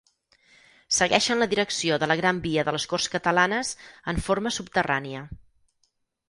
Segueixen la direcció de la Gran Via de les Corts Catalanes en forma subterrània.